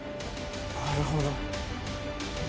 なるほど。